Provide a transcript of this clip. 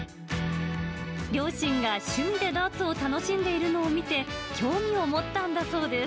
両親が趣味でダーツを楽しんでいるのを見て、興味を持ったんだそ